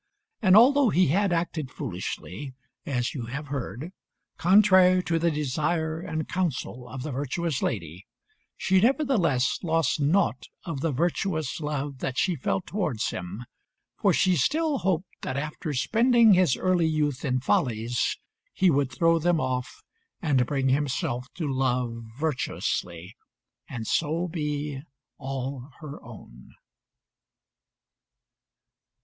And although he had acted foolishly, as you have heard, contrary to the desire and counsel of the virtuous lady, she, nevertheless, lost nought of the virtuous love that she felt towards him, for she still hoped that, after spending his early youth in follies, he would throw them off and bring himself to love virtuously, and so be all her own.